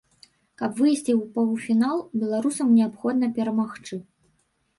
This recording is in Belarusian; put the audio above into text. Каб выйсці ў паўфінал, беларусам неабходна перамагчы.